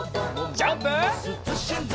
ジャンプ！